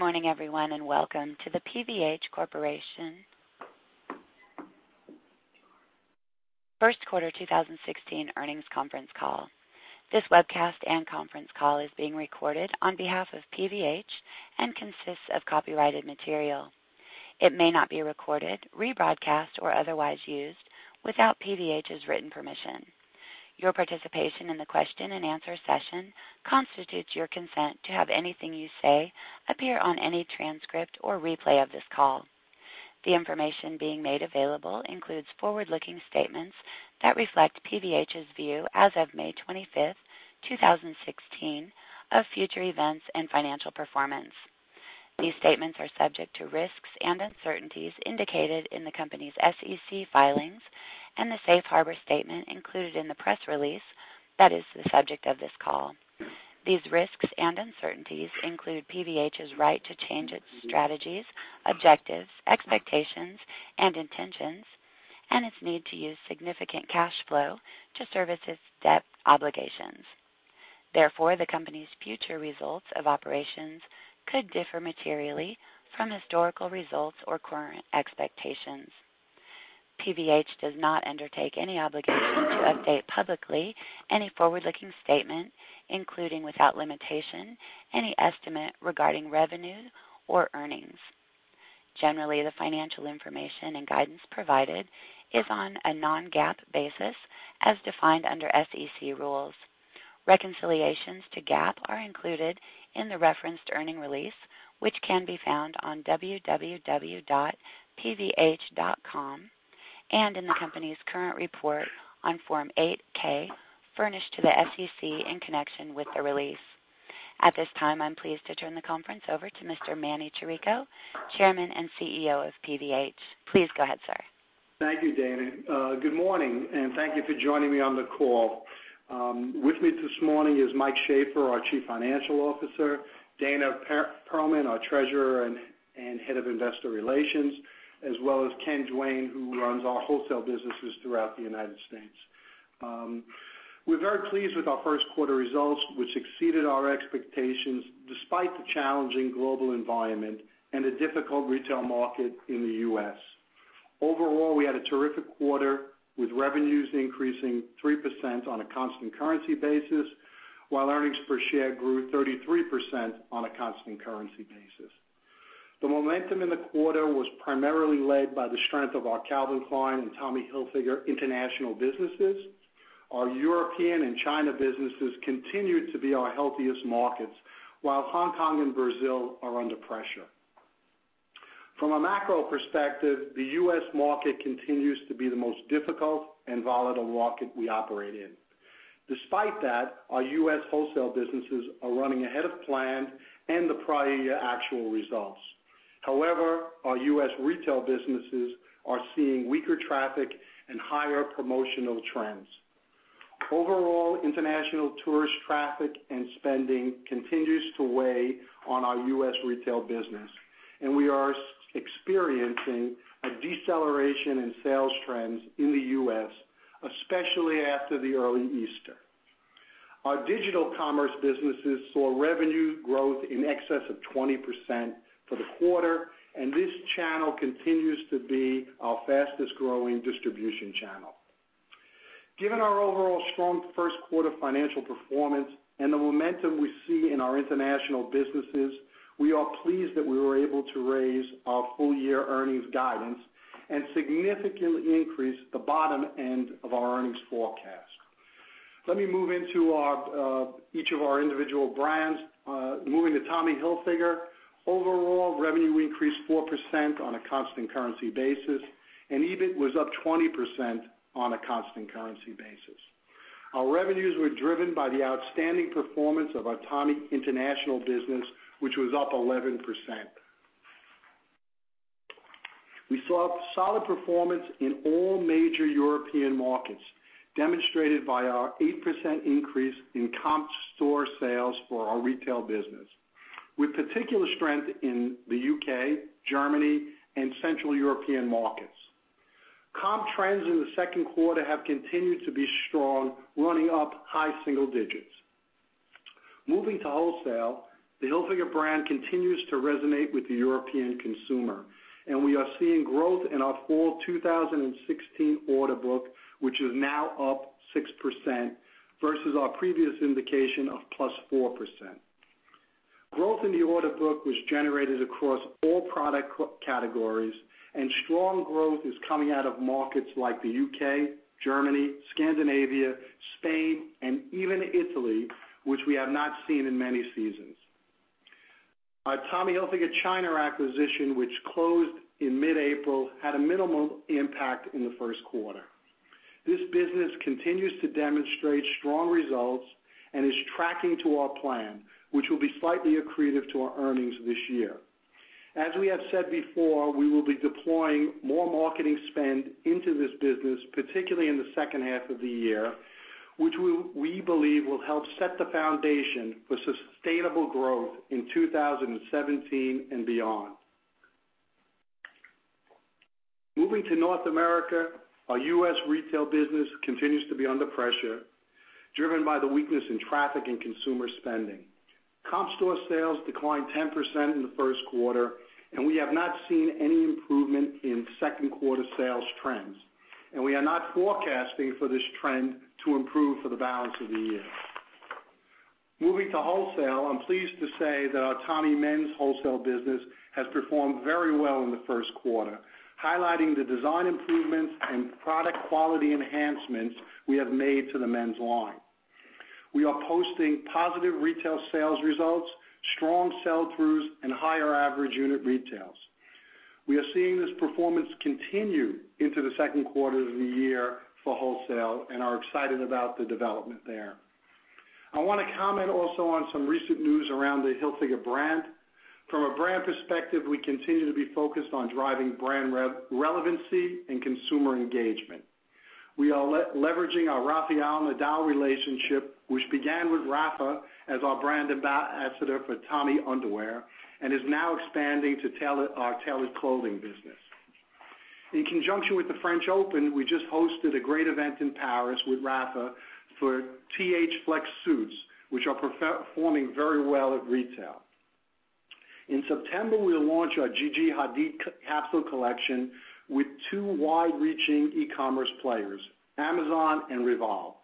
Good morning, everyone, welcome to the PVH Corp. first quarter 2016 earnings conference call. This webcast and conference call is being recorded on behalf of PVH and consists of copyrighted material. It may not be recorded, rebroadcast, or otherwise used without PVH's written permission. Your participation in the question and answer session constitutes your consent to have anything you say appear on any transcript or replay of this call. The information being made available includes forward-looking statements that reflect PVH's view as of May 25th, 2016, of future events and financial performance. These statements are subject to risks and uncertainties indicated in the company's SEC filings and the safe harbor statement included in the press release that is the subject of this call. These risks and uncertainties include PVH's right to change its strategies, objectives, expectations, and intentions, and its need to use significant cash flow to service its debt obligations. Therefore, the company's future results of operations could differ materially from historical results or current expectations. PVH does not undertake any obligation to update publicly any forward-looking statement, including, without limitation, any estimate regarding revenues or earnings. Generally, the financial information and guidance provided is on a non-GAAP basis as defined under SEC rules. Reconciliations to GAAP are included in the referenced earning release, which can be found on www.pvh.com and in the company's current report on Form 8-K furnished to the SEC in connection with the release. At this time, I'm pleased to turn the conference over to Mr. Emanuel Chirico, Chairman and CEO of PVH. Please go ahead, sir. Thank you, Dana. Good morning, and thank you for joining me on the call. With me this morning is Mike Shaffer, our Chief Financial Officer, Dana Perlman, our Treasurer and Head of Investor Relations, as well as Ken Duane, who runs our wholesale businesses throughout the U.S. We're very pleased with our first quarter results, which exceeded our expectations despite the challenging global environment and a difficult retail market in the U.S. Overall, we had a terrific quarter, with revenues increasing 3% on a constant currency basis, while earnings per share grew 33% on a constant currency basis. The momentum in the quarter was primarily led by the strength of our Calvin Klein and Tommy Hilfiger international businesses. Our European and China businesses continued to be our healthiest markets, while Hong Kong and Brazil are under pressure. From a macro perspective, the U.S. market continues to be the most difficult and volatile market we operate in. Despite that, our U.S. wholesale businesses are running ahead of plan and the prior year actual results. However, our U.S. retail businesses are seeing weaker traffic and higher promotional trends. Overall, international tourist traffic and spending continues to weigh on our U.S. retail business, and we are experiencing a deceleration in sales trends in the U.S., especially after the early Easter. Our digital commerce businesses saw revenue growth in excess of 20% for the quarter, and this channel continues to be our fastest-growing distribution channel. Given our overall strong first quarter financial performance and the momentum we see in our international businesses, we are pleased that we were able to raise our full-year earnings guidance and significantly increase the bottom end of our earnings forecast. Let me move into each of our individual brands. Moving to Tommy Hilfiger, overall revenue increased 4% on a constant currency basis. EBIT was up 20% on a constant currency basis. Our revenues were driven by the outstanding performance of our Tommy international business, which was up 11%. We saw solid performance in all major European markets, demonstrated by our 8% increase in comp store sales for our retail business, with particular strength in the U.K., Germany, and central European markets. Comp trends in the second quarter have continued to be strong, running up high single digits. Moving to wholesale, the Hilfiger brand continues to resonate with the European consumer. We are seeing growth in our fall 2016 order book, which is now up 6%, versus our previous indication of +4%. Growth in the order book was generated across all product categories. Strong growth is coming out of markets like the U.K., Germany, Scandinavia, Spain, and even Italy, which we have not seen in many seasons. Our Tommy Hilfiger China acquisition, which closed in mid-April, had a minimal impact in the first quarter. This business continues to demonstrate strong results and is tracking to our plan, which will be slightly accretive to our earnings this year. As we have said before, we will be deploying more marketing spend into this business, particularly in the second half of the year, which we believe will help set the foundation for sustainable growth in 2017 and beyond. Moving to North America, our U.S. retail business continues to be under pressure, driven by the weakness in traffic and consumer spending. Comp store sales declined 10% in the first quarter. We have not seen any improvement in second quarter sales trends, and we are not forecasting for this trend to improve for the balance of the year. Moving to wholesale, I'm pleased to say that our Tommy men's wholesale business has performed very well in the first quarter, highlighting the design improvements and product quality enhancements we have made to the men's line. We are posting positive retail sales results, strong sell-throughs, and higher average unit retails. We are seeing this performance continue into the second quarter of the year for wholesale. We are excited about the development there. I want to comment also on some recent news around the Hilfiger brand. From a brand perspective, we continue to be focused on driving brand relevancy and consumer engagement. We are leveraging our Rafael Nadal relationship, which began with Rafa as our brand ambassador for Tommy underwear and is now expanding to our tailored clothing business. In conjunction with the French Open, we just hosted a great event in Paris with Rafa for TH Flex suits, which are performing very well at retail. In September, we'll launch our Gigi Hadid capsule collection with two wide-reaching e-commerce players, Amazon and Revolve.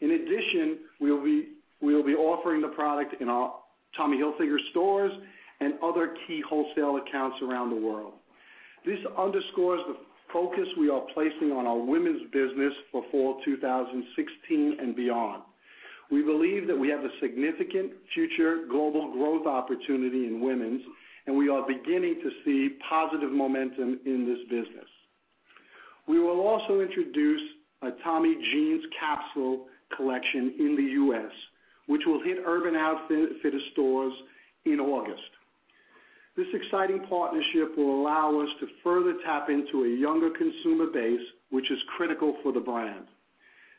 In addition, we'll be offering the product in our Tommy Hilfiger stores and other key wholesale accounts around the world. This underscores the focus we are placing on our women's business for fall 2016 and beyond. We believe that we have a significant future global growth opportunity in women's. We are beginning to see positive momentum in this business. We will also introduce a Tommy Jeans capsule collection in the U.S., which will hit Urban Outfitters stores in August. This exciting partnership will allow us to further tap into a younger consumer base, which is critical for the brand.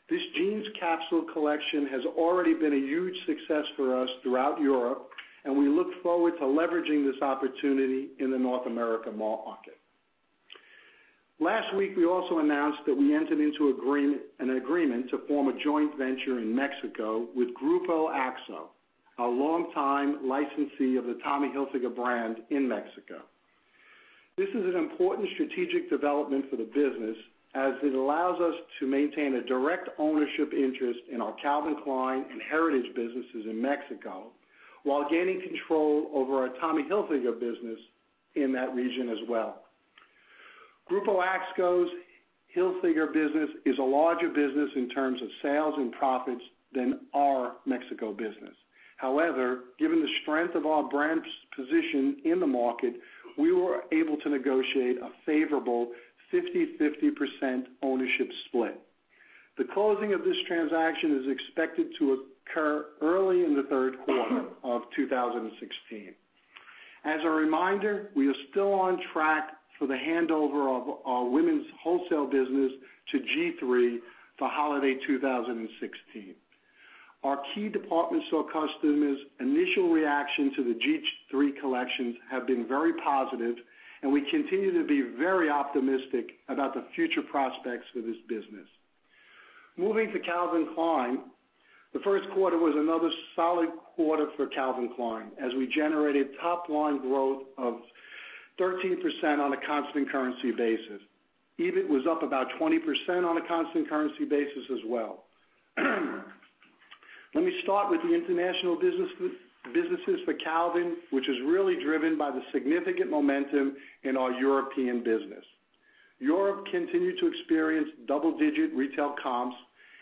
This jeans capsule collection has already been a huge success for us throughout Europe, and we look forward to leveraging this opportunity in the North America mall market. Last week, we also announced that we entered into an agreement to form a joint venture in Mexico with Grupo Axo, a longtime licensee of the Tommy Hilfiger brand in Mexico. This is an important strategic development for the business as it allows us to maintain a direct ownership interest in our Calvin Klein and heritage businesses in Mexico while gaining control over our Tommy Hilfiger business in that region as well. Grupo Axo's Hilfiger business is a larger business in terms of sales and profits than our Mexico business. However, given the strength of our brand's position in the market, we were able to negotiate a favorable 50/50 ownership split. The closing of this transaction is expected to occur early in the third quarter of 2016. As a reminder, we are still on track for the handover of our women's wholesale business to G-III for holiday 2016. Our key department store customers' initial reaction to the G-III collections have been very positive, and we continue to be very optimistic about the future prospects for this business. Moving to Calvin Klein, the first quarter was another solid quarter for Calvin Klein, as we generated top-line growth of 13% on a constant currency basis. EBIT was up about 20% on a constant currency basis as well. Let me start with the international businesses for Calvin, which is really driven by the significant momentum in our European business. Europe continued to experience double-digit retail comps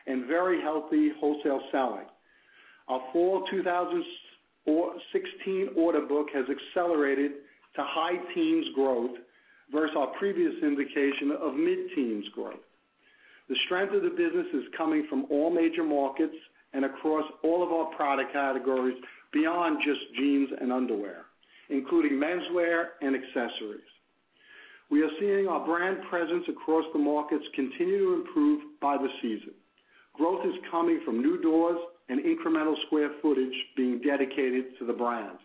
and very healthy wholesale selling. Our fall 2016 order book has accelerated to high teens growth versus our previous indication of mid-teens growth. The strength of the business is coming from all major markets and across all of our product categories beyond just jeans and underwear, including menswear and accessories. We are seeing our brand presence across the markets continue to improve by the season. Growth is coming from new doors and incremental square footage being dedicated to the brand.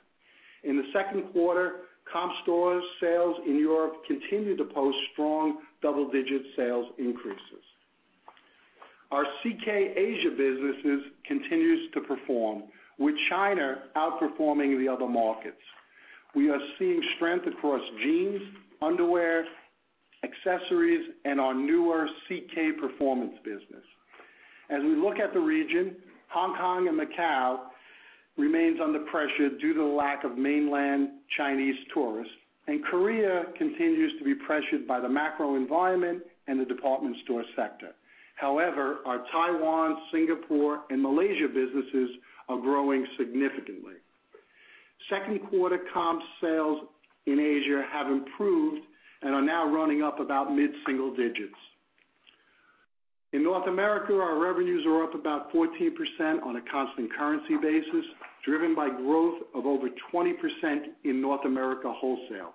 In the second quarter, comp store sales in Europe continued to post strong double-digit sales increases. Our CK Asia business continues to perform, with China outperforming the other markets. We are seeing strength across jeans, underwear, accessories, and our newer CK performance business. As we look at the region, Hong Kong and Macau remains under pressure due to the lack of mainland Chinese tourists, and Korea continues to be pressured by the macro environment and the department store sector. However, our Taiwan, Singapore, and Malaysia businesses are growing significantly. Second quarter comp sales in Asia have improved and are now running up about mid-single digits. In North America, our revenues are up about 14% on a constant currency basis, driven by growth of over 20% in North America wholesale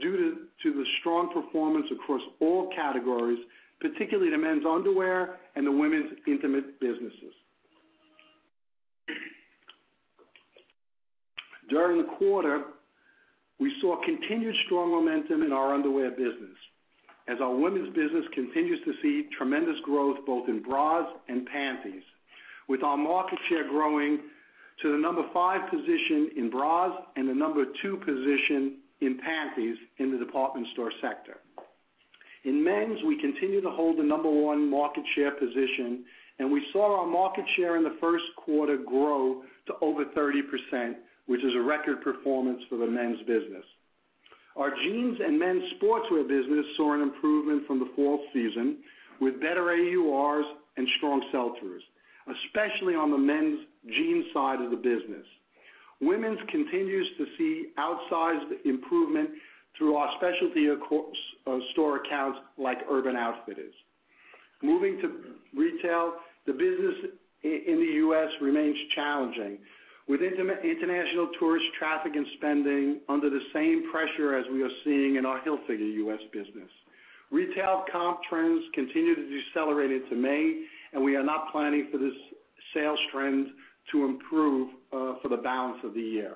due to the strong performance across all categories, particularly the men's underwear and the women's intimate businesses. During the quarter, we saw continued strong momentum in our underwear business as our women's business continues to see tremendous growth both in bras and panties. With our market share growing to the number 5 position in bras and the number 2 position in panties in the department store sector. In men's, we continue to hold the number 1 market share position, and we saw our market share in the first quarter grow to over 30%, which is a record performance for the men's business. Our jeans and men's sportswear business saw an improvement from the fall season with better AURs and strong sell-throughs, especially on the men's jeans side of the business. Women's continues to see outsized improvement through our specialty store accounts like Urban Outfitters. Moving to retail, the business in the U.S. remains challenging. With international tourist traffic and spending under the same pressure as we are seeing in our Hilfiger U.S. business. Retail comp trends continue to decelerate into May. We are not planning for this sales trend to improve for the balance of the year.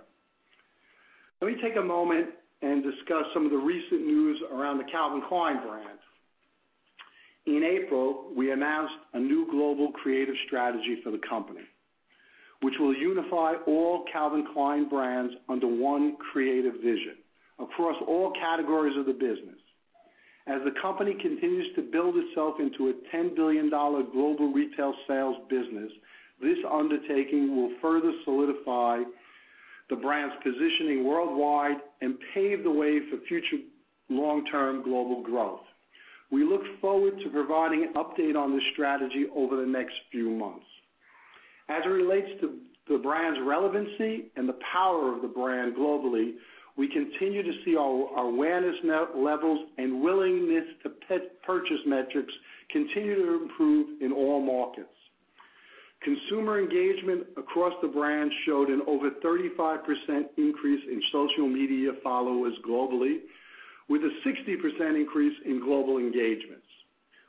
Let me take a moment and discuss some of the recent news around the Calvin Klein brand. In April, we announced a new global creative strategy for the company, which will unify all Calvin Klein brands under one creative vision across all categories of the business. As the company continues to build itself into a $10 billion global retail sales business, this undertaking will further solidify the brand's positioning worldwide and pave the way for future long-term global growth. We look forward to providing an update on this strategy over the next few months. As it relates to the brand's relevancy and the power of the brand globally, we continue to see our awareness levels and willingness to purchase metrics continue to improve in all markets. Consumer engagement across the brand showed an over 35% increase in social media followers globally, with a 60% increase in global engagements.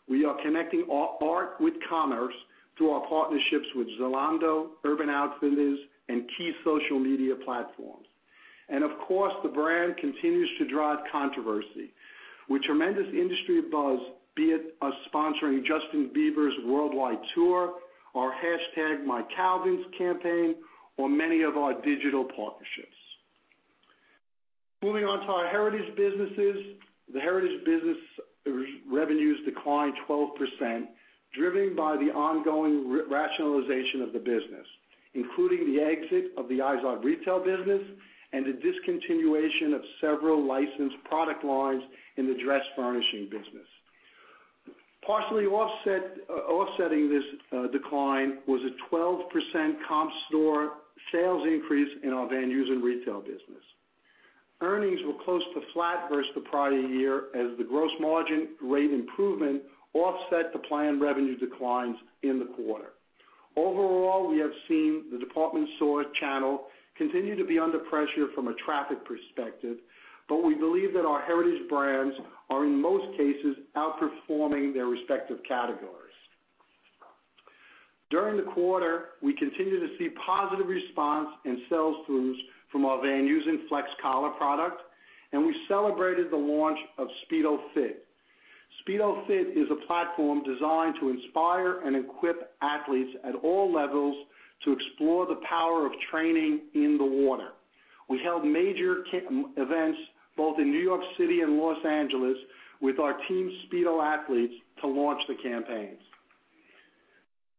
We are connecting art with commerce through our partnerships with Zalando, Urban Outfitters, and key social media platforms. Of course, the brand continues to drive controversy with tremendous industry buzz, be it us sponsoring Justin Bieber's worldwide tour, our #MyCalvins campaign, or many of our digital partnerships. Moving on to our Heritage businesses. The Heritage business revenues declined 12%, driven by the ongoing rationalization of the business, including the exit of the Izod retail business and the discontinuation of several licensed product lines in the dress furnishing business. Partially offsetting this decline was a 12% comp store sales increase in our Van Heusen retail business. Earnings were close to flat versus the prior year as the gross margin rate improvement offset the planned revenue declines in the quarter. Overall, we have seen the department store channel continue to be under pressure from a traffic perspective, but we believe that our Heritage Brands are, in most cases, outperforming their respective categories. During the quarter, we continued to see positive response and sell-throughs from our Van Heusen flex collar product, and we celebrated the launch of Speedo FIT. Speedo FIT is a platform designed to inspire and equip athletes at all levels to explore the power of training in the water. We held major events both in New York City and Los Angeles with our Team Speedo athletes to launch the campaigns.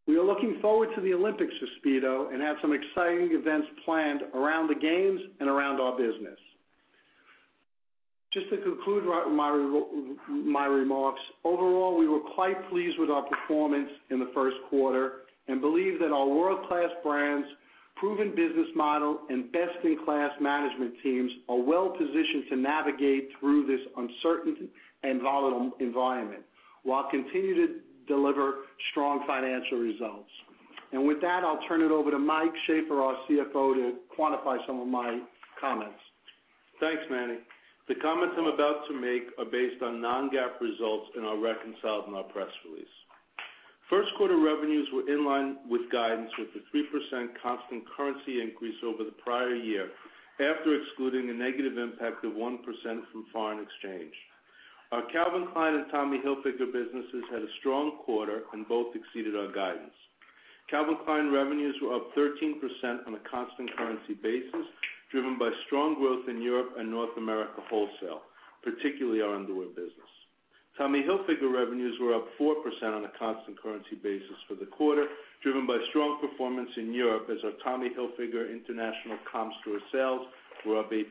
We are looking forward to the Olympics for Speedo and have some exciting events planned around the games and around our business. Just to conclude my remarks. Overall, we were quite pleased with our performance in the first quarter and believe that our world-class brands, proven business model, and best-in-class management teams are well positioned to navigate through this uncertain and volatile environment while continuing to deliver strong financial results. With that, I'll turn it over to Michael Shaffer, our CFO, to quantify some of my comments. Thanks, Manny. The comments I'm about to make are based on non-GAAP results and are reconciled in our press release. First quarter revenues were in line with guidance with a 3% constant currency increase over the prior year, after excluding a negative impact of 1% from foreign exchange. Our Calvin Klein and Tommy Hilfiger businesses had a strong quarter and both exceeded our guidance. Calvin Klein revenues were up 13% on a constant currency basis, driven by strong growth in Europe and North America wholesale, particularly our underwear business. Tommy Hilfiger revenues were up 4% on a constant currency basis for the quarter, driven by strong performance in Europe as our Tommy Hilfiger International comp store sales were up 8%.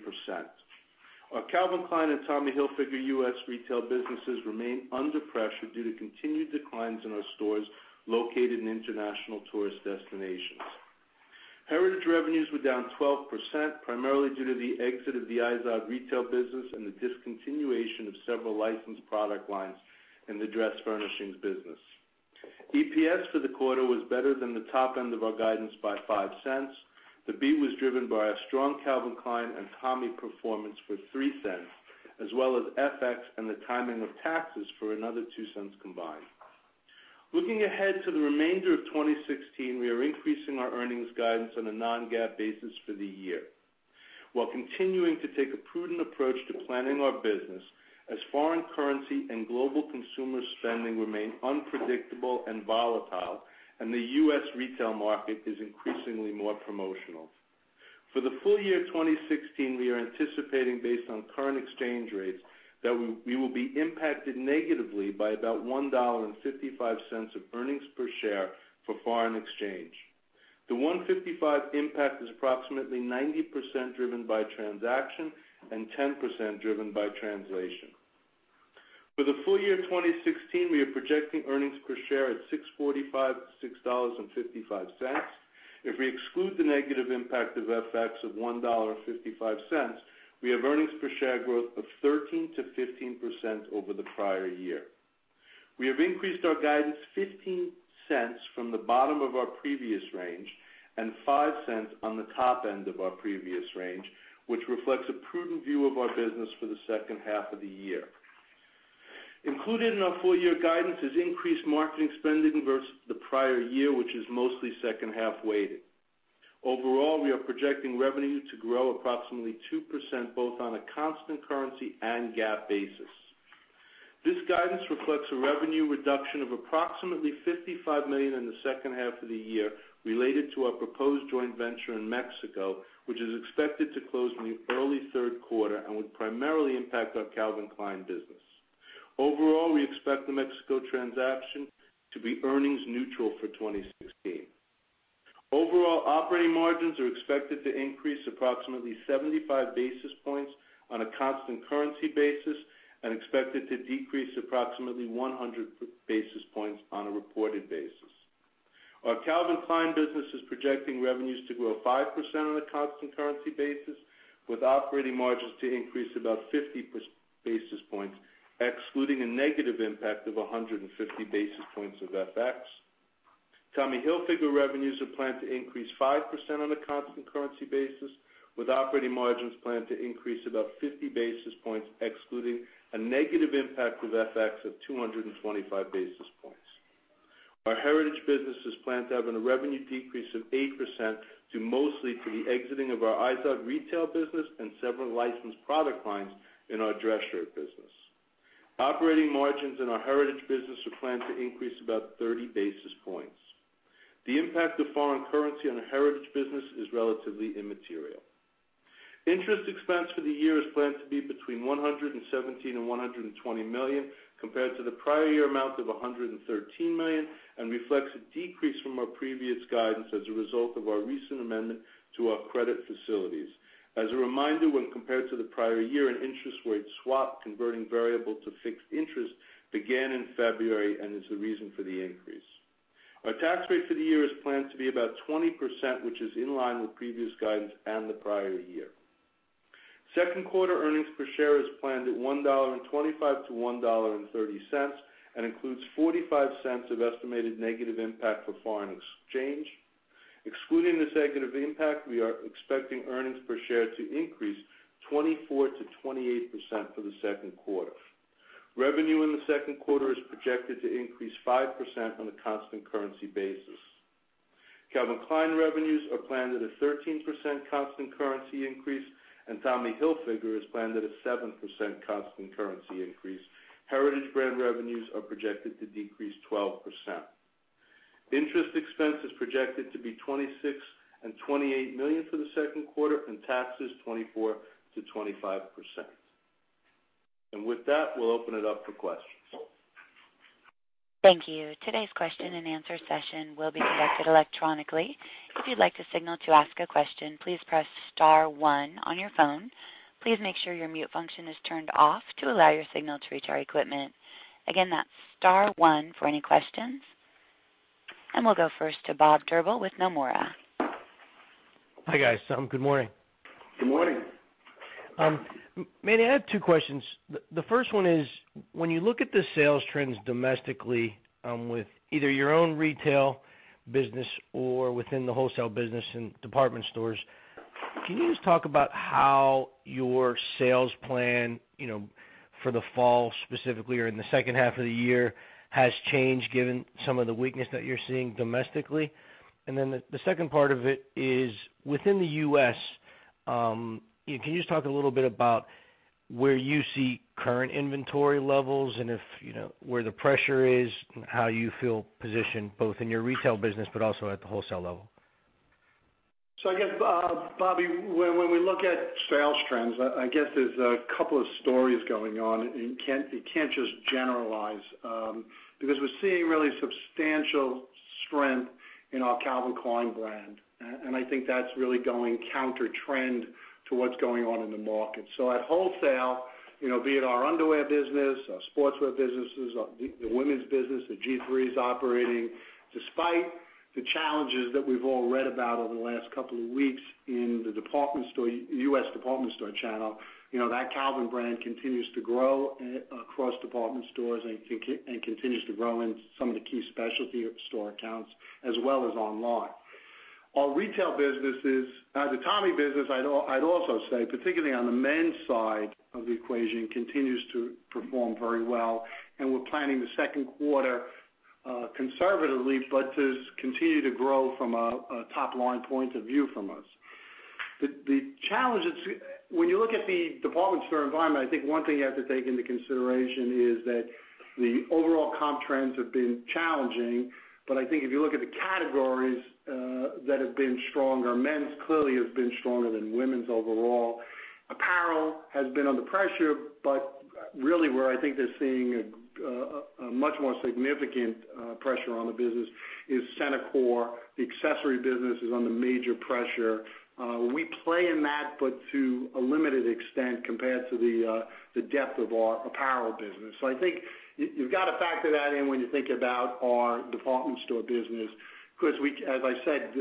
Our Calvin Klein and Tommy Hilfiger U.S. retail businesses remain under pressure due to continued declines in our stores located in international tourist destinations. Heritage revenues were down 12%, primarily due to the exit of the Izod retail business and the discontinuation of several licensed product lines in the dress furnishings business. EPS for the quarter was better than the top end of our guidance by $0.05. The beat was driven by a strong Calvin Klein and Tommy performance for $0.03, as well as FX and the timing of taxes for another $0.02 combined. Looking ahead to the remainder of 2016, we are increasing our earnings guidance on a non-GAAP basis for the year, while continuing to take a prudent approach to planning our business as foreign currency and global consumer spending remain unpredictable and volatile, and the U.S. retail market is increasingly more promotional. For the full year 2016, we are anticipating, based on current exchange rates, that we will be impacted negatively by about $1.55 of earnings per share for foreign exchange. The $1.55 impact is approximately 90% driven by transaction and 10% driven by translation. For the full year 2016, we are projecting earnings per share at $6.45-$6.55. If we exclude the negative impact of FX of $1.55, we have earnings per share growth of 13%-15% over the prior year. We have increased our guidance $0.15 from the bottom of our previous range and $0.05 on the top end of our previous range, which reflects a prudent view of our business for the second half of the year. Included in our full-year guidance is increased marketing spending versus the prior year, which is mostly second-half weighted. Overall, we are projecting revenue to grow approximately 2%, both on a constant currency and GAAP basis. This guidance reflects a revenue reduction of approximately $55 million in the second half of the year related to our proposed joint venture in Mexico, which is expected to close in the early third quarter and would primarily impact our Calvin Klein business. Overall, we expect the Mexico transaction to be earnings neutral for 2016. Overall operating margins are expected to increase approximately 75 basis points on a constant currency basis and expected to decrease approximately 100 basis points on a reported basis. Our Calvin Klein business is projecting revenues to grow 5% on a constant currency basis, with operating margins to increase about 50 basis points, excluding a negative impact of 150 basis points of FX. Tommy Hilfiger revenues are planned to increase 5% on a constant currency basis, with operating margins planned to increase about 50 basis points, excluding a negative impact with FX of 225 basis points. Our Heritage business is planned to have a revenue decrease of 8%, to mostly for the exiting of our Izod retail business and several licensed product lines in our dress shirt business. Operating margins in our Heritage business are planned to increase about 30 basis points. The impact of foreign currency on the Heritage business is relatively immaterial. Interest expense for the year is planned to be between $117 million and $120 million, compared to the prior year amount of $113 million, and reflects a decrease from our previous guidance as a result of our recent amendment to our credit facilities. As a reminder, when compared to the prior year, an interest rate swap converting variable to fixed interest began in February and is the reason for the increase. Our tax rate for the year is planned to be about 20%, which is in line with previous guidance and the prior year. Second quarter earnings per share is planned at $1.25 to $1.30 and includes $0.45 of estimated negative impact for foreign exchange. Excluding this negative impact, we are expecting earnings per share to increase 24%-28% for the second quarter. Revenue in the second quarter is projected to increase 5% on a constant currency basis. Calvin Klein revenues are planned at a 13% constant currency increase, and Tommy Hilfiger is planned at a 7% constant currency increase. Heritage brand revenues are projected to decrease 12%. Interest expense is projected to be $26 million and $28 million for the second quarter, and taxes 24%-25%. With that, we'll open it up for questions. Thank you. Today's question and answer session will be conducted electronically. If you'd like to signal to ask a question, please press *1 on your phone. Please make sure your mute function is turned off to allow your signal to reach our equipment. Again, that's *1 for any questions. We'll go first to Robert Drbul with Nomura. Hi, guys. Good morning. Good morning. I have two questions. The first one is, when you look at the sales trends domestically with either your own retail business or within the wholesale business in department stores, can you just talk about how your sales plan for the fall specifically or in the second half of the year has changed given some of the weakness that you're seeing domestically? The second part of it is, within the U.S., can you just talk a little bit about where you see current inventory levels and where the pressure is and how you feel positioned both in your retail business but also at the wholesale level? Bobby, when we look at sales trends, I guess there's a couple of stories going on, and you can't just generalize because we're seeing really substantial strength in our Calvin Klein, and I think that's really going countertrend to what's going on in the market. At wholesale, be it our underwear business, our sportswear businesses, the women's business that G-III is operating, despite the challenges that we've all read about over the last couple of weeks in the U.S. department store channel, that Calvin continues to grow across department stores and continues to grow in some of the key specialty store accounts as well as online. Our retail businesses. The Tommy business, I'd also say, particularly on the men's side of the equation, continues to perform very well, and we're planning the second quarter conservatively, but to continue to grow from a top-line point of view from us. When you look at the department store environment, I think one thing you have to take into consideration is that the overall comp trends have been challenging. I think if you look at the categories that have been stronger, men's clearly have been stronger than women's overall. Apparel has been under pressure, but really where I think they're seeing a much more significant pressure on the business is center core. The accessory business is under major pressure. We play in that, but to a limited extent compared to the depth of our apparel business. I think you've got to factor that in when you think about our department store business, because as I said,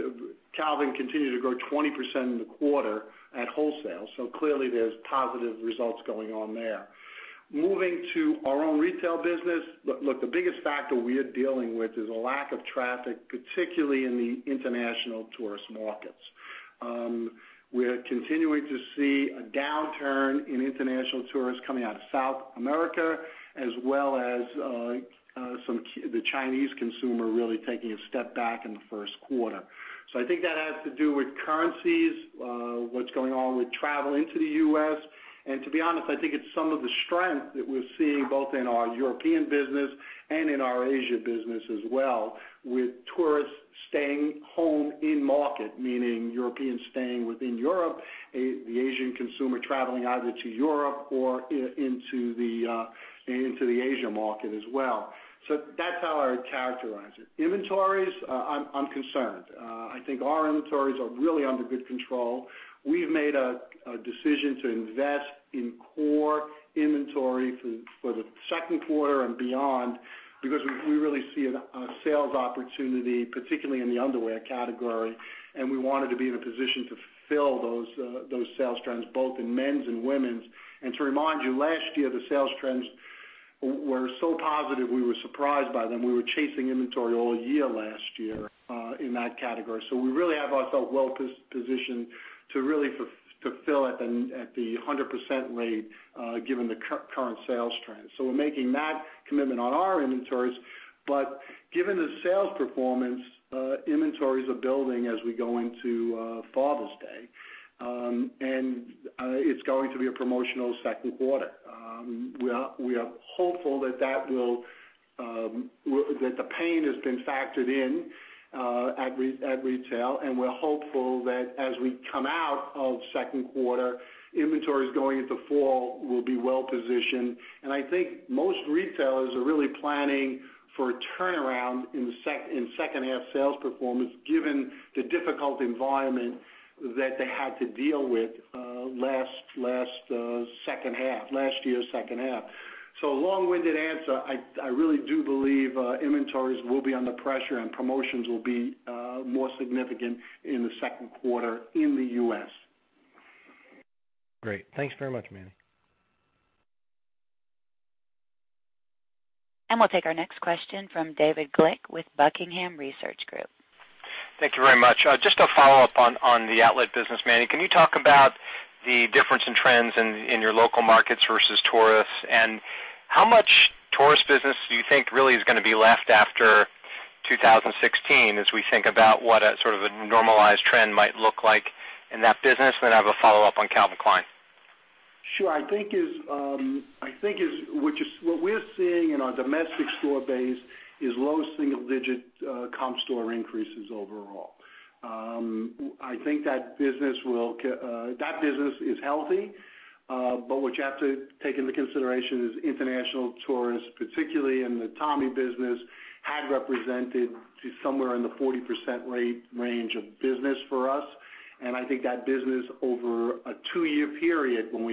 Calvin continued to grow 20% in the quarter at wholesale. Clearly, there's positive results going on there. Moving to our own retail business. Look, the biggest factor we are dealing with is a lack of traffic, particularly in the international tourist markets. We're continuing to see a downturn in international tourists coming out of South America, as well as the Chinese consumer really taking a step back in the first quarter. I think that has to do with currencies, what's going on with travel into the U.S., and to be honest, I think it's some of the strength that we're seeing both in our European business and in our Asia business as well, with tourists staying home in market. Meaning Europeans staying within Europe, the Asian consumer traveling either to Europe or into the Asia market as well. That's how I would characterize it. Inventories, I'm concerned. I think our inventories are really under good control. We've made a decision to invest in core inventory for the second quarter and beyond because we really see a sales opportunity, particularly in the underwear category, and we wanted to be in a position to fulfill those sales trends both in men's and women's. To remind you, last year, the sales trends were so positive, we were surprised by them. We were chasing inventory all year last year in that category. We really have ourselves well positioned to really fulfill at the 100% rate, given the current sales trends. We're making that commitment on our inventories. Given the sales performance, inventories are building as we go into Father's Day. It's going to be a promotional second quarter. We are hopeful that the pain has been factored in at retail, and we're hopeful that as we come out of second quarter, inventories going into fall will be well positioned. I think most retailers are really planning for a turnaround in second half sales performance given the difficult environment that they had to deal with last year's second half. Long-winded answer, I really do believe inventories will be under pressure and promotions will be more significant in the second quarter in the U.S. Great. Thanks very much, Manny. We'll take our next question from David Glick with Buckingham Research Group. Thank you very much. Just a follow-up on the outlet business, Manny. Can you talk about the difference in trends in your local markets versus tourists? How much tourist business do you think really is gonna be left after 2016 as we think about what a sort of a normalized trend might look like in that business? I have a follow-up on Calvin Klein. Sure. I think what we're seeing in our domestic store base is low single-digit comp store increases overall. I think that business is healthy, but what you have to take into consideration is international tourists, particularly in the Tommy business, had represented to somewhere in the 40% range of business for us. I think that business over a two-year period when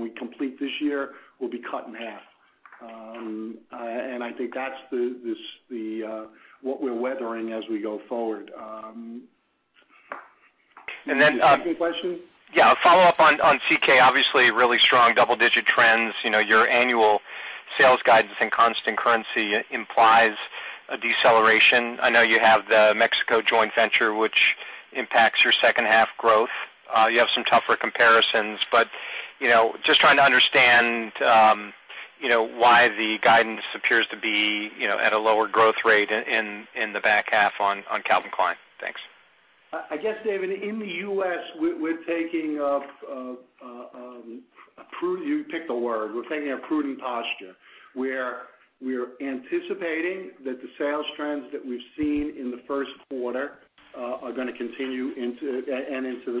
we complete this year, will be cut in half. I think that's what we're weathering as we go forward. Did you have any questions? Yeah, a follow-up on CK. Obviously, really strong double-digit trends. Your annual sales guidance in constant currency implies a deceleration. I know you have the Mexico joint venture, which impacts your second half growth. You have some tougher comparisons. Just trying to understand why the guidance appears to be at a lower growth rate in the back half on Calvin Klein. Thanks. I guess, David, in the U.S., we're taking a, you pick the word. We're taking a prudent posture, where we're anticipating that the sales trends that we've seen in the first quarter and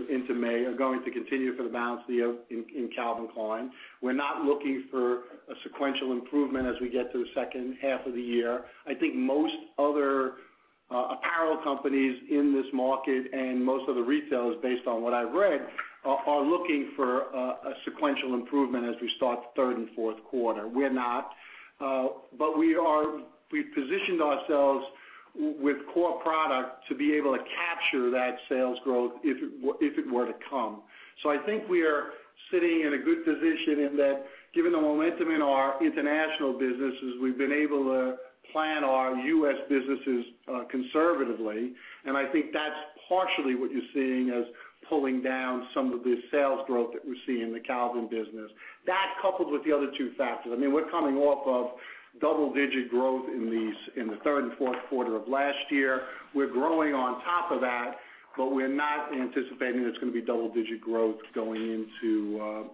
into May are going to continue for the balance of the year in Calvin Klein. We're not looking for a sequential improvement as we get to the second half of the year. I think most other apparel companies in this market and most of the retailers, based on what I've read, are looking for a sequential improvement as we start the third and fourth quarter. We're not. We've positioned ourselves with core product to be able to capture that sales growth if it were to come. I think we are sitting in a good position in that given the momentum in our international businesses, we've been able to plan U.S. businesses conservatively, and I think that's partially what you're seeing as pulling down some of the sales growth that we see in the Calvin business. That coupled with the other two factors. We're coming off of double-digit growth in the third and fourth quarter of last year. We're growing on top of that, but we're not anticipating it's going to be double-digit growth going into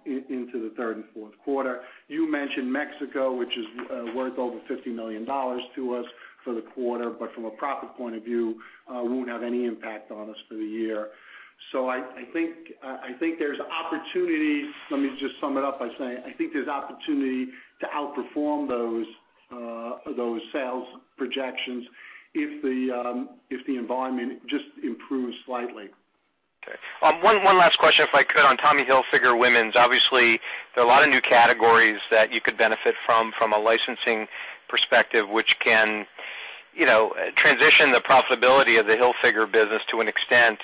the third and fourth quarter. You mentioned Mexico, which is worth over $50 million to us for the quarter, but from a profit point of view, won't have any impact on us for the year. I think there's opportunity. Let me just sum it up by saying, I think there's opportunity to outperform those sales projections if the environment just improves slightly. Okay. One last question, if I could, on Tommy Hilfiger Women's. Obviously, there are a lot of new categories that you could benefit from a licensing perspective, which can transition the profitability of the Hilfiger business to an extent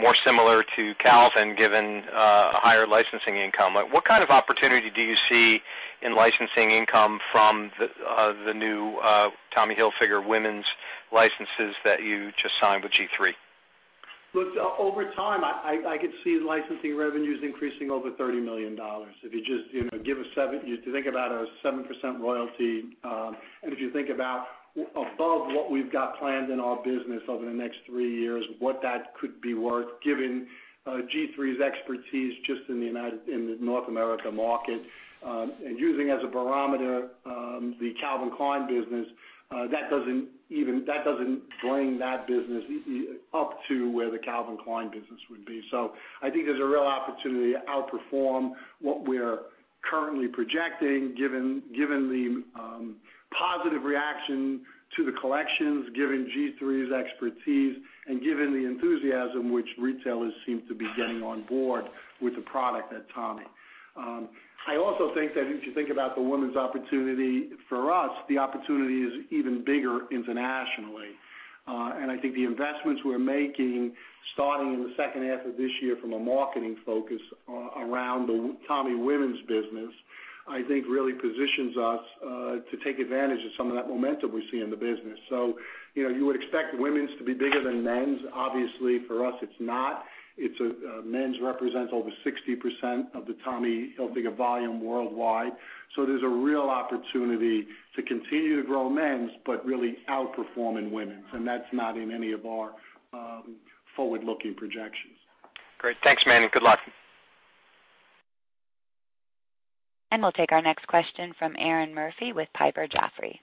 more similar to Calvin, given a higher licensing income. What kind of opportunity do you see in licensing income from the new Tommy Hilfiger Women's licenses that you just signed with G-III? Look, over time, I could see licensing revenues increasing over $30 million. If you think about a 7% royalty, if you think about above what we've got planned in our business over the next three years, what that could be worth given G-III's expertise just in the North America market, using as a barometer the Calvin Klein business, that doesn't bring that business up to where the Calvin Klein business would be. I think there's a real opportunity to outperform what we're currently projecting given the positive reaction to the collections, given G-III's expertise, and given the enthusiasm which retailers seem to be getting on board with the product at Tommy. I also think that if you think about the women's opportunity, for us, the opportunity is even bigger internationally. I think the investments we're making, starting in the second half of this year from a marketing focus around the Tommy women's business, I think really positions us to take advantage of some of that momentum we see in the business. You would expect women's to be bigger than men's. Obviously, for us, it's not. Men's represents over 60% of the Tommy Hilfiger volume worldwide. There's a real opportunity to continue to grow men's, but really outperform in women's, and that's not in any of our forward-looking projections. Great. Thanks, Manny. Good luck. We'll take our next question from Erinn Murphy with Piper Jaffray.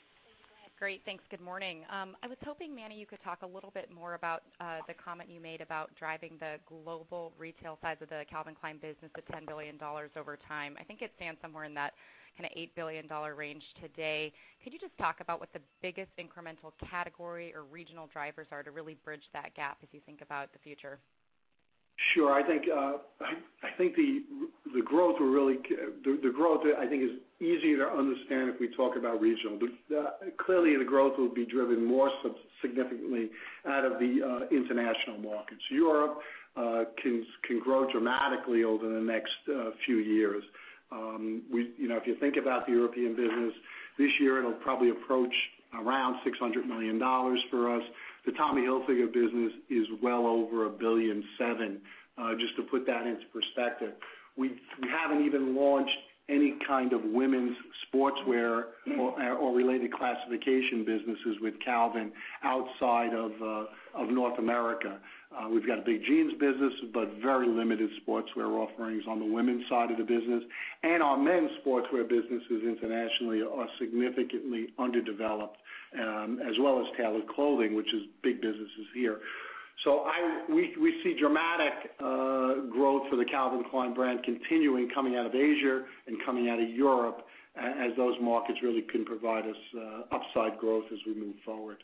Great. Thanks. Good morning. I was hoping, Manny, you could talk a little bit more about the comment you made about driving the global retail side of the Calvin Klein business to $10 billion over time. I think it stands somewhere in that kind of $8 billion range today. Could you just talk about what the biggest incremental category or regional drivers are to really bridge that gap as you think about the future? Sure. I think the growth is easier to understand if we talk about regional. Clearly, the growth will be driven more significantly out of the international markets. Europe can grow dramatically over the next few years. If you think about the European business, this year it'll probably approach around $600 million for us. The Tommy Hilfiger business is well over $1.7 billion, just to put that into perspective. We haven't even launched any kind of women's sportswear or related classification businesses with Calvin outside of North America. We've got a big jeans business, but very limited sportswear offerings on the women's side of the business. Our men's sportswear businesses internationally are significantly underdeveloped, as well as tailored clothing, which is big businesses here. We see dramatic growth for the Calvin Klein brand continuing coming out of Asia and coming out of Europe, as those markets really can provide us upside growth as we move forward.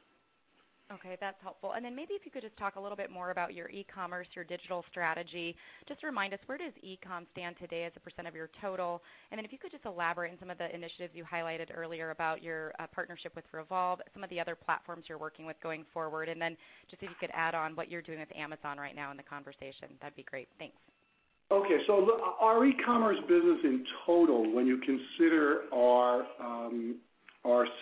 Okay, that's helpful. Maybe if you could just talk a little bit more about your e-commerce, your digital strategy. Just remind us, where does e-com stand today as a % of your total? If you could just elaborate on some of the initiatives you highlighted earlier about your partnership with Revolve, some of the other platforms you're working with going forward, and then just if you could add on what you're doing with Amazon right now in the conversation, that'd be great. Thanks. Okay. Our e-commerce business in total, when you consider our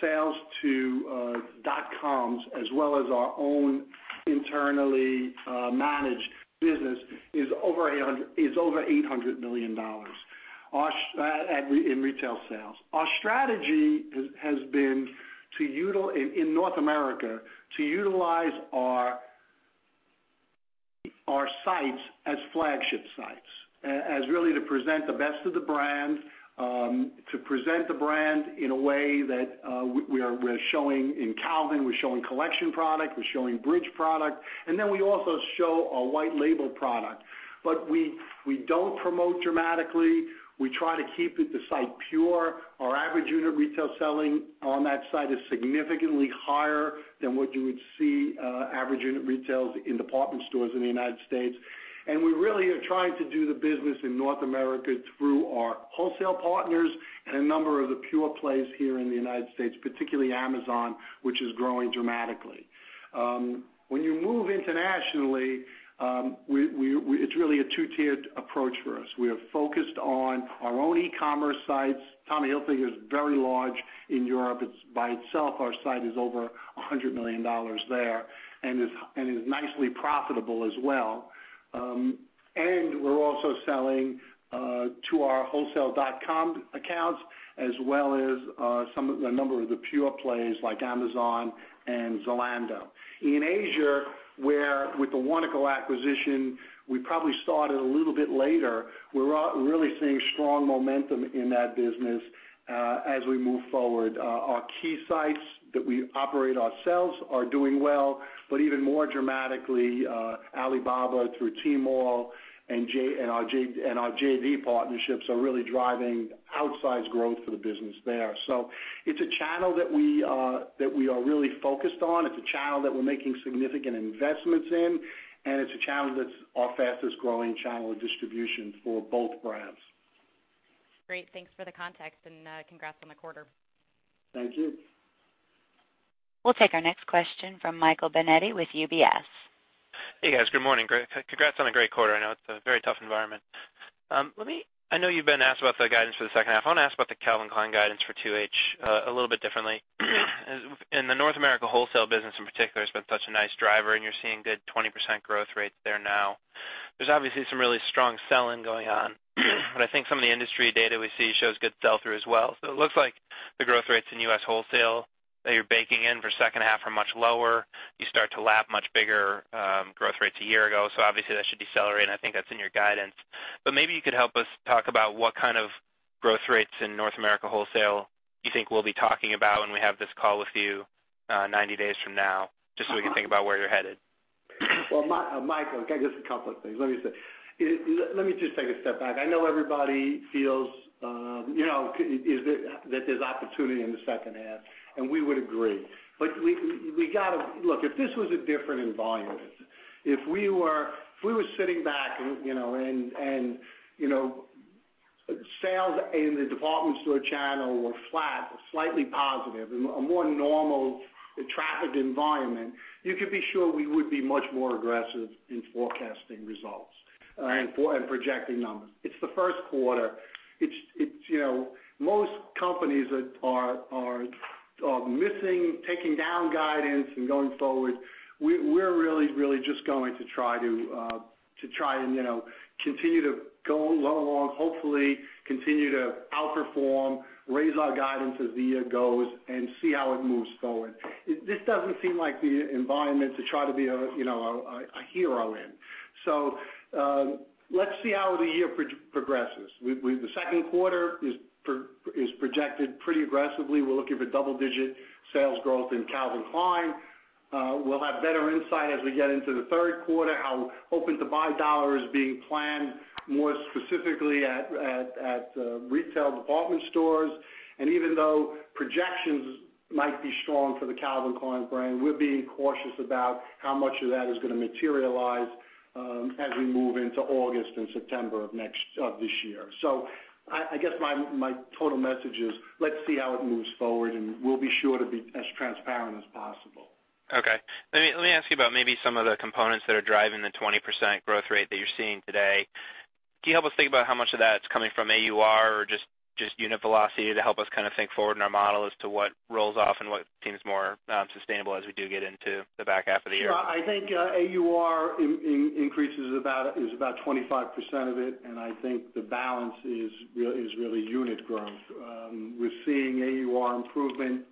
sales to dotcoms as well as our own internally managed business, is over $800 million in retail sales. Our strategy has been, in North America, to utilize our sites as flagship sites. As really to present the best of the brand, to present the brand in a way that we're showing in Calvin, we're showing collection product, we're showing bridge product, and then we also show a white label product. We don't promote dramatically. We try to keep the site pure. Our average unit retail selling on that site is significantly higher than what you would see average unit retails in department stores in the U.S. We really are trying to do the business in North America through our wholesale partners and a number of the pure plays here in the U.S., particularly Amazon, which is growing dramatically. When you move internationally, it's really a two-tiered approach for us. We are focused on our own e-commerce sites. Tommy Hilfiger is very large in Europe. By itself, our site is over $100 million there and is nicely profitable as well. We're also selling to our wholesale.com accounts, as well as a number of the pure plays like Amazon and Zalando. In Asia, where with the Warnaco acquisition, we probably started a little bit later. We're really seeing strong momentum in that business as we move forward. Our key sites that we operate ourselves are doing well, even more dramatically, Alibaba through Tmall and our JV partnerships are really driving outsized growth for the business there. It's a channel that we are really focused on. It's a channel that we're making significant investments in, it's a channel that's our fastest-growing channel of distribution for both brands. Great. Thanks for the context and congrats on the quarter. Thank you. We'll take our next question from Michael Binetti with UBS. Hey, guys. Good morning. Congrats on a great quarter. I know it's a very tough environment. I know you've been asked about the guidance for the second half. I want to ask about the Calvin Klein guidance for 2H a little bit differently. In the North America wholesale business in particular, it's been such a nice driver, and you're seeing good 20% growth rates there now. There's obviously some really strong sell-in going on, but I think some of the industry data we see shows good sell-through as well. It looks like the growth rates in U.S. wholesale that you're baking in for second half are much lower. You start to lap much bigger growth rates a year ago, obviously that should decelerate, and I think that's in your guidance. Maybe you could help us talk about what kind of growth rates in North America wholesale you think we'll be talking about when we have this call with you 90 days from now, just so we can think about where you're headed. Well, Michael, just a couple of things. Let me just take a step back. I know everybody feels that there's opportunity in the second half, and we would agree. Look, if this was a different environment, if we were sitting back and sales in the department store channel were flat or slightly positive, a more normal traffic environment, you could be sure we would be much more aggressive in forecasting results and projecting numbers. It's the first quarter. Most companies are missing, taking down guidance and going forward. We're really just going to try to continue to go along, hopefully continue to outperform, raise our guidance as the year goes, and see how it moves forward. This doesn't seem like the environment to try to be a hero in. Let's see how the year progresses. The second quarter is projected pretty aggressively. We're looking for double-digit sales growth in Calvin Klein. We'll have better insight as we get into the third quarter, how open-to-buy dollar is being planned more specifically at retail department stores. Even though projections might be strong for the Calvin Klein brand, we're being cautious about how much of that is going to materialize as we move into August and September of this year. I guess my total message is, let's see how it moves forward, and we'll be sure to be as transparent as possible. Okay. Let me ask you about maybe some of the components that are driving the 20% growth rate that you're seeing today. Can you help us think about how much of that's coming from AUR or just unit velocity to help us think forward in our model as to what rolls off and what seems more sustainable as we do get into the back half of the year? Sure. I think AUR increase is about 25% of it, and I think the balance is really unit growth. We're seeing AUR improvement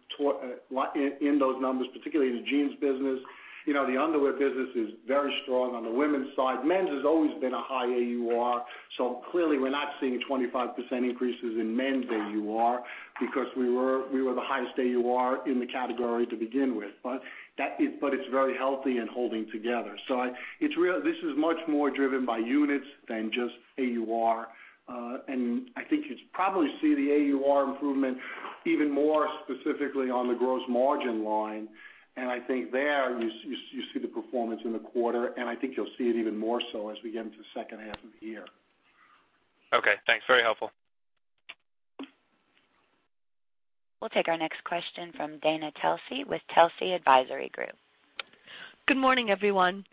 in those numbers, particularly in the jeans business. The underwear business is very strong on the women's side. Men's has always been a high AUR, so clearly we're not seeing 25% increases in men's AUR because we were the highest AUR in the category to begin with. It's very healthy and holding together. This is much more driven by units than just AUR. I think you probably see the AUR improvement even more specifically on the gross margin line, and I think there you see the performance in the quarter, and I think you'll see it even more so as we get into the second half of the year. Okay, thanks. Very helpful. We'll take our next question from Dana Telsey with Telsey Advisory Group. Good morning, everyone.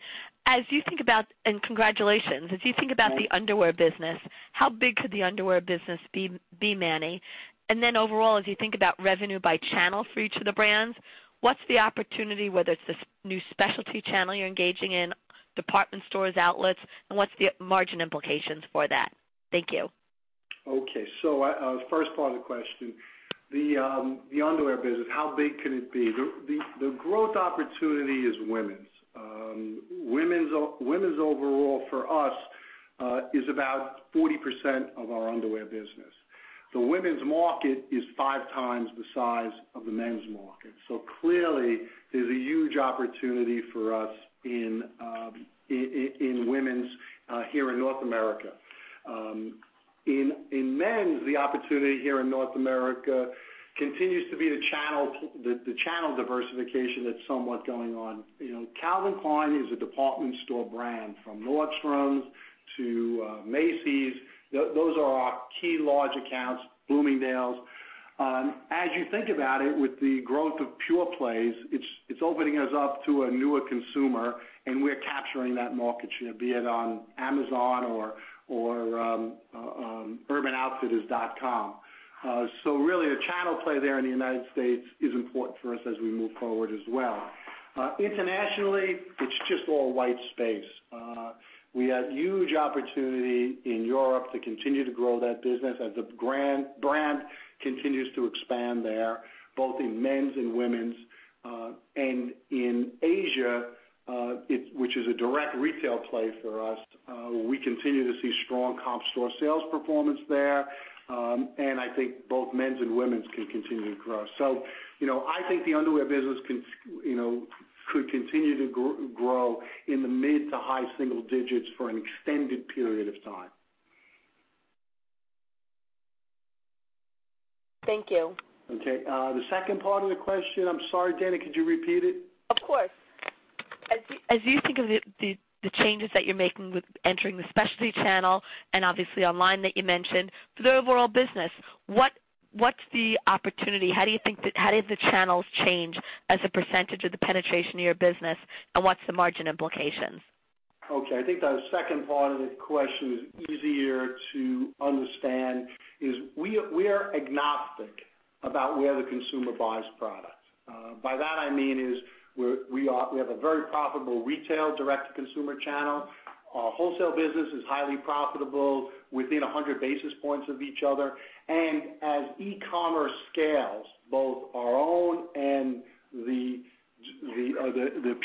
Congratulations. As you think about the underwear business, how big could the underwear business be, Manny? Overall, as you think about revenue by channel for each of the brands, what's the opportunity, whether it's this new specialty channel you're engaging in, department stores, outlets, and what's the margin implications for that? Thank you. Okay. First part of the question, the underwear business, how big can it be? The growth opportunity is women's. Women's overall for us is about 40% of our underwear business. The women's market is five times the size of the men's market. Clearly, there's a huge opportunity for us in women's here in North America. In men's, the opportunity here in North America continues to be the channel diversification that's somewhat going on. Calvin Klein is a department store brand from Nordstrom to Macy's. Those are our key large accounts, Bloomingdale's. As you think about it, with the growth of pure plays, it's opening us up to a newer consumer, and we're capturing that market share, be it on Amazon or urbanoutfitters.com. Really, the channel play there in the U.S. is important for us as we move forward as well. Internationally, it's just all white space. We have huge opportunity in Europe to continue to grow that business as the brand continues to expand there, both in men's and women's. In Asia, which is a direct retail play for us, we continue to see strong comp store sales performance there. I think both men's and women's can continue to grow. I think the underwear business could continue to grow in the mid to high single digits for an extended period of time. Thank you. Okay. The second part of the question, I'm sorry, Dana, could you repeat it? Of course. As you think of the changes that you're making with entering the specialty channel, obviously online that you mentioned, for the overall business, what's the opportunity? How did the channels change as a percentage of the penetration of your business, and what's the margin implications? Okay. I think the second part of the question is easier to understand, is we are agnostic about where the consumer buys product. By that I mean is we have a very profitable retail direct-to-consumer channel. Our wholesale business is highly profitable within 100 basis points of each other. As e-commerce scales, both our own and the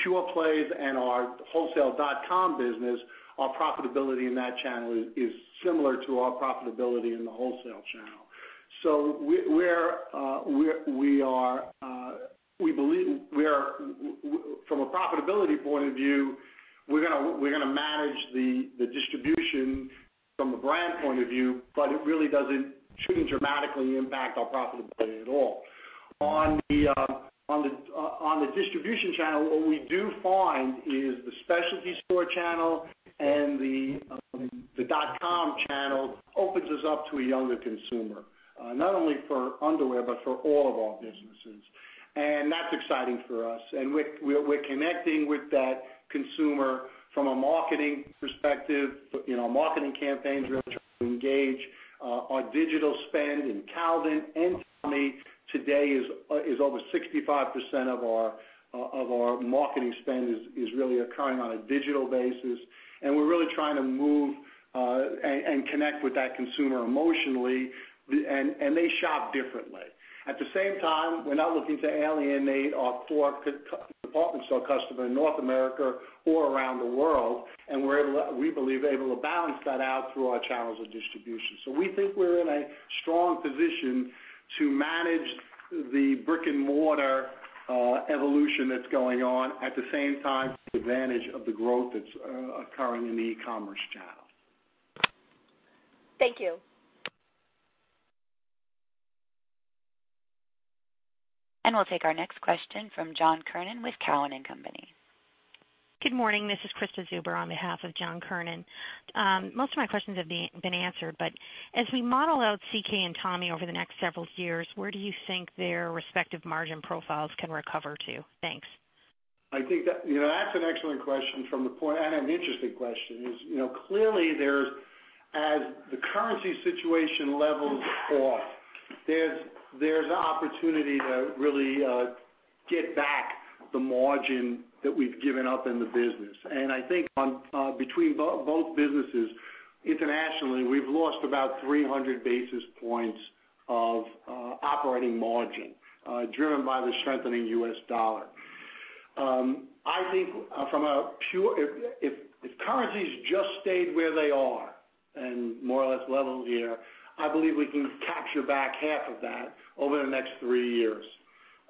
pure plays and our wholesale .com business, our profitability in that channel is similar to our profitability in the wholesale channel. From a profitability point of view, we're going to manage the distribution from a brand point of view, but it really shouldn't dramatically impact our profitability at all. On the distribution channel, what we do find is the specialty store channel and the .com channel opens us up to a younger consumer. Not only for underwear, but for all of our businesses. That's exciting for us. We're connecting with that consumer from a marketing perspective. Our marketing campaigns really try to engage. Our digital spend in Calvin and Tommy today is over 65% of our marketing spend is really occurring on a digital basis, and we're really trying to move and connect with that consumer emotionally, and they shop differently. At the same time, we're not looking to alienate our core department store customer in North America or around the world, and we believe able to balance that out through our channels of distribution. We think we're in a strong position to manage the brick-and-mortar evolution that's going on, at the same time, take advantage of the growth that's occurring in the e-commerce channel. Thank you. We'll take our next question from John Kernan with Cowen and Company. Good morning. This is Krista Zuber on behalf of John Kernan. Most of my questions have been answered. As we model out CK and Tommy over the next several years, where do you think their respective margin profiles can recover to? Thanks. That's an excellent question and an interesting question. Clearly, as the currency situation levels off, there's an opportunity to really get back the margin that we've given up in the business. I think between both businesses, internationally, we've lost about 300 basis points of operating margin driven by the strengthening U.S. dollar. If currencies just stayed where they are and more or less level here, I believe we can capture back half of that over the next three years.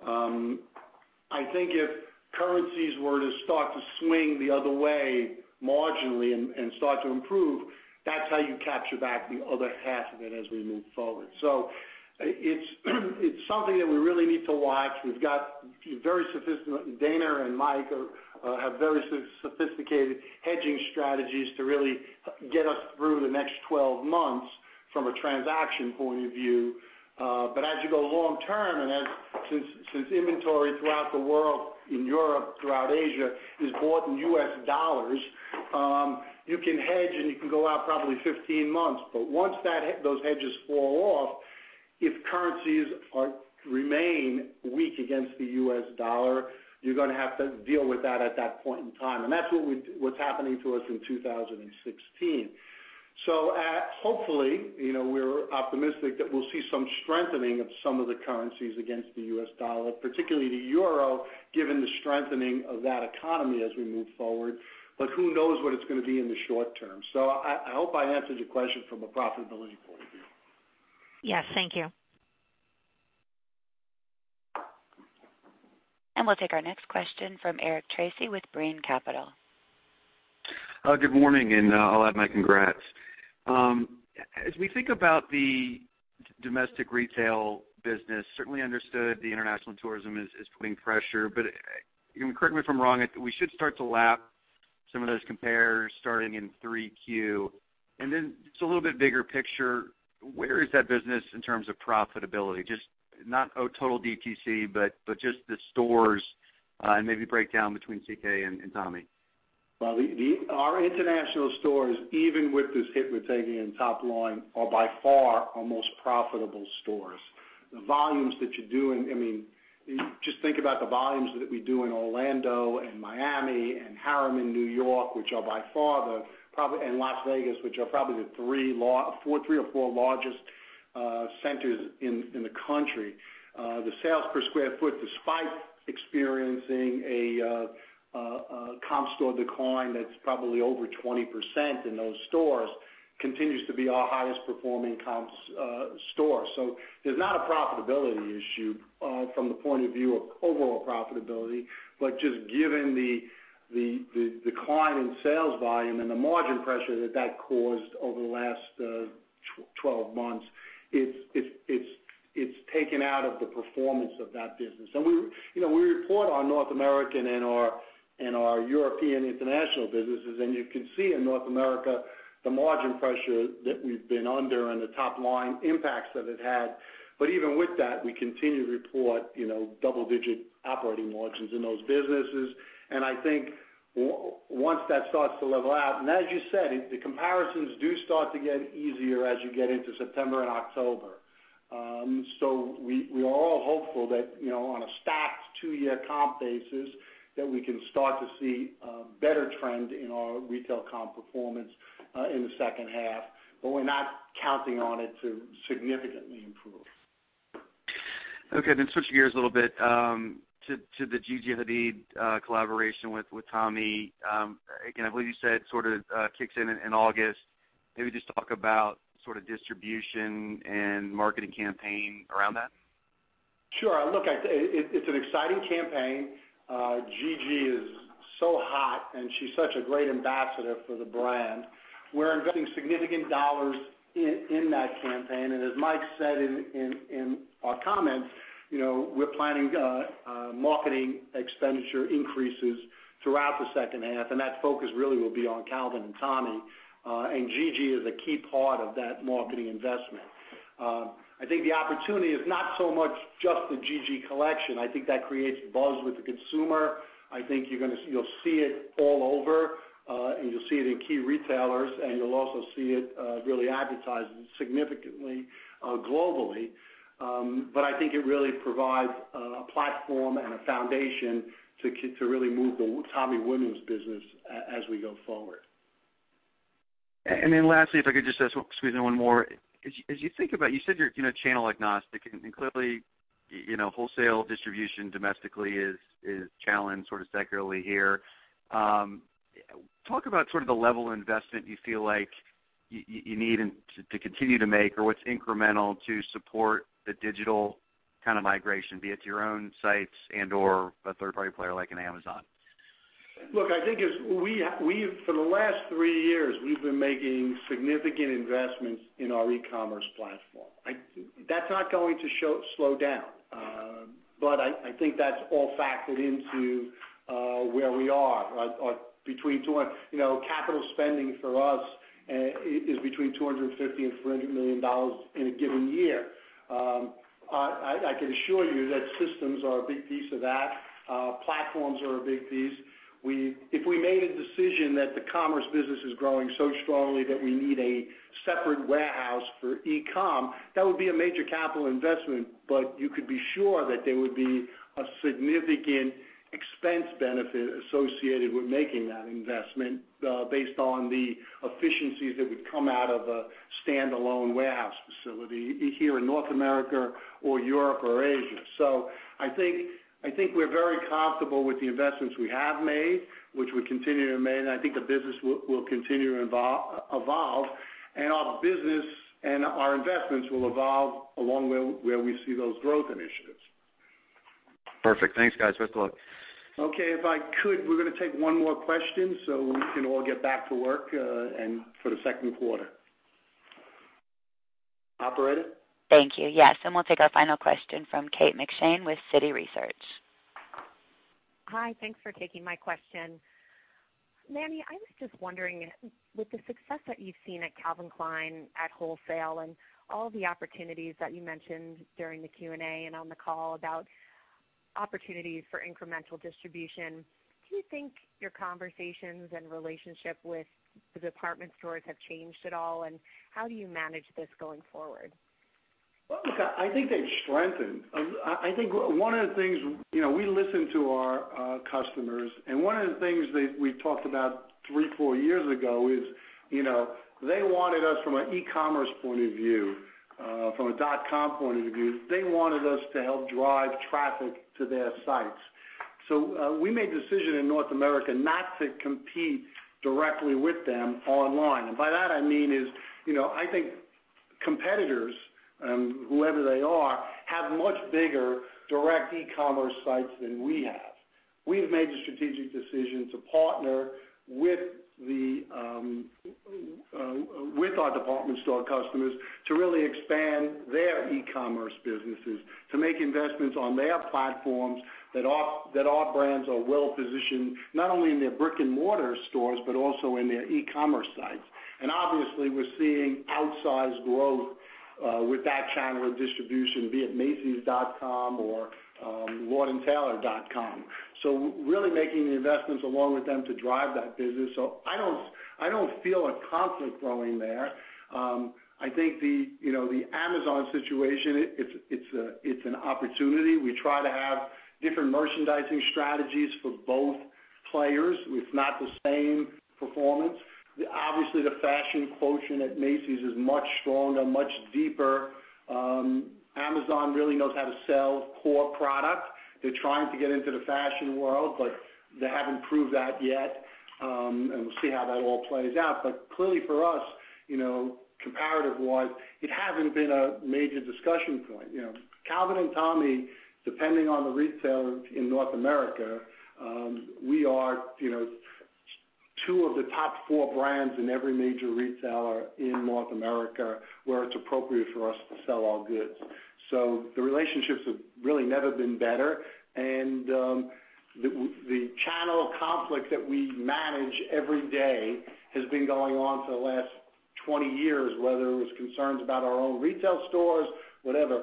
I think if currencies were to start to swing the other way marginally and start to improve, that's how you capture back the other half of it as we move forward. It's something that we really need to watch. Dana and Mike have very sophisticated hedging strategies to really get us through the next 12 months from a transaction point of view. As you go long term, and since inventory throughout the world, in Europe, throughout Asia, is bought in U.S. dollars, you can hedge and you can go out probably 15 months. Once those hedges fall off, if currencies remain weak against the U.S. dollar, you're going to have to deal with that at that point in time. That's what's happening to us in 2016. Hopefully, we're optimistic that we'll see some strengthening of some of the currencies against the U.S. dollar, particularly the EUR, given the strengthening of that economy as we move forward. Who knows what it's going to be in the short term. I hope I answered your question from a profitability point of view. Yes. Thank you. We'll take our next question from Eric Tracy with Brean Capital. Good morning. I'll add my congrats. As we think about the domestic retail business, certainly understood the international tourism is putting pressure. Correct me if I'm wrong, we should start to lap some of those compares starting in 3Q. Just a little bit bigger picture, where is that business in terms of profitability? Not total DTC, but just the stores and maybe breakdown between CK and Tommy. Our international stores, even with this hit we're taking in top line, are by far our most profitable stores. The volumes that you're doing, just think about the volumes that we do in Orlando and Miami and Harlem in New York and Las Vegas, which are probably the three or four largest centers in the country. The sales per square foot, despite experiencing a comp store decline that's probably over 20% in those stores, continues to be our highest performing comp store. There's not a profitability issue from the point of view of overall profitability, but just given the decline in sales volume and the margin pressure that that caused over the last 12 months, it's taken out of the performance of that business. We report on North American and our European international businesses, and you can see in North America the margin pressure that we've been under and the top-line impacts that it had. Even with that, we continue to report double-digit operating margins in those businesses. I think once that starts to level out, and as you said, the comparisons do start to get easier as you get into September and October. We are all hopeful that on a stacked two-year comp basis, that we can start to see a better trend in our retail comp performance in the second half, but we're not counting on it to significantly improve. Okay. Switching gears a little bit to the Gigi Hadid collaboration with Tommy. Again, I believe you said it sort of kicks in in August. Maybe just talk about sort of distribution and marketing campaign around that. Sure. Look, it's an exciting campaign. Gigi is so hot, and she's such a great ambassador for the brand. We're investing significant dollars in that campaign, and as Mike said in our comments, we're planning marketing expenditure increases throughout the second half, and that focus really will be on Calvin and Tommy. Gigi is a key part of that marketing investment. I think the opportunity is not so much just the Gigi collection. I think that creates buzz with the consumer. I think you'll see it all over, and you'll see it in key retailers, and you'll also see it really advertised significantly globally. I think it really provides a platform and a foundation to really move the Tommy women's business as we go forward. Lastly, if I could just squeeze in one more. As you think about, you said you're channel agnostic, and clearly, wholesale distribution domestically is challenged sort of secularly here. Talk about sort of the level of investment you feel like you need to continue to make or what's incremental to support the digital kind of migration, be it to your own sites and/or a third-party player like an Amazon. Look, I think for the last three years, we've been making significant investments in our e-commerce platform. That's not going to slow down. I think that's all factored into where we are. Capital spending for us is between $250 million-$300 million in a given year. I can assure you that systems are a big piece of that. Platforms are a big piece. If we made a decision that the commerce business is growing so strongly that we need a separate warehouse for e-com, that would be a major capital investment, but you could be sure that there would be a significant expense benefit associated with making that investment based on the efficiencies that would come out of a standalone warehouse facility here in North America or Europe or Asia. I think we're very comfortable with the investments we have made, which we continue to make, and I think the business will continue to evolve, and our business and our investments will evolve along where we see those growth initiatives. Perfect. Thanks, guys. Best of luck. Okay. If I could, we're going to take one more question so we can all get back to work and for the second quarter. Operator? Thank you. Yes, we'll take our final question from Kate McShane with Citi Research. Hi. Thanks for taking my question. Manny, I was just wondering, with the success that you've seen at Calvin Klein at wholesale and all the opportunities that you mentioned during the Q&A and on the call about opportunities for incremental distribution, do you think your conversations and relationship with the department stores have changed at all? How do you manage this going forward? Well, look, I think they've strengthened. We listen to our customers, one of the things that we talked about three, four years ago is they wanted us from an e-commerce point of view, from a dot-com point of view, they wanted us to help drive traffic to their sites. We made the decision in North America not to compete directly with them online. By that I mean is, I think competitors, whoever they are, have much bigger direct e-commerce sites than we have. We've made the strategic decision to partner with our department store customers to really expand their e-commerce businesses, to make investments on their platforms that our brands are well-positioned, not only in their brick-and-mortar stores, but also in their e-commerce sites. Obviously, we're seeing outsized growth with that channel of distribution, be it macys.com or lordandtaylor.com. Really making the investments along with them to drive that business. I don't feel a conflict growing there. I think the Amazon situation, it's an opportunity. We try to have different merchandising strategies for both players with not the same performance. Obviously, the fashion quotient at Macy's is much stronger, much deeper. Amazon really knows how to sell core product. They're trying to get into the fashion world, they haven't proved that yet, and we'll see how that all plays out. Clearly for us, comparative-wise, it hasn't been a major discussion point. Calvin and Tommy, depending on the retailer in North America, we are two of the top four brands in every major retailer in North America where it's appropriate for us to sell all goods. The relationships have really never been better. The channel conflict that we manage every day has been going on for the last 20 years, whether it was concerns about our own retail stores, whatever.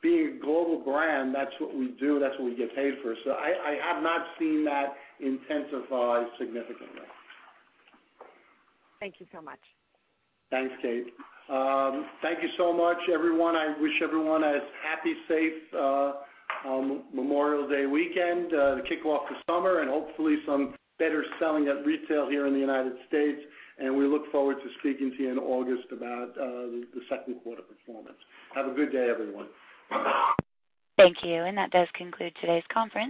Being a global brand, that's what we do, that's what we get paid for. I have not seen that intensify significantly. Thank you so much. Thanks, Kate. Thank you so much, everyone. I wish everyone a happy, safe Memorial Day weekend to kick off the summer and hopefully some better selling at retail here in the United States. We look forward to speaking to you in August about the second quarter performance. Have a good day, everyone. Thank you. That does conclude today's conference.